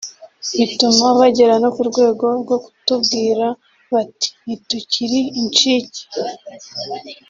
bituma bagera no ku rwego rwo kutubwira bati ntitukiri incike